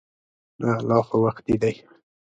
نه لا خو وختي دی.